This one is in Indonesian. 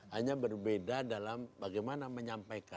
hanya berbeda dalam bagaimana menyampaikan